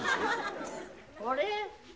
あれ？